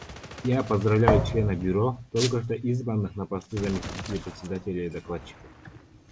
Я поздравляю членов Бюро, только что избранных на посты заместителей Председателя и докладчика.